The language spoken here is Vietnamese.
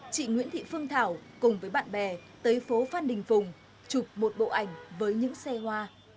chị nguyễn thị phương thảo cùng với bạn bè tới phố phan đình phùng chụp một bộ ảnh với những xe hoa